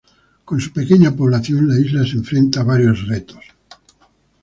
Con su pequeña población, la isla se enfrenta a varios retos.